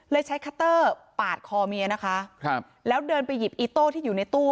ใช้คัตเตอร์ปาดคอเมียนะคะครับแล้วเดินไปหยิบอีโต้ที่อยู่ในตู้